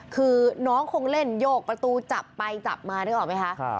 คือน้องคงเล่นโยกประตูจับไปจับมานึกออกไหมคะ